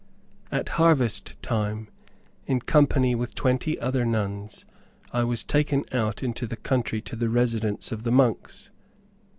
At harvest time, in company with twenty other nuns, I was taken out into the country to the residence of the monks.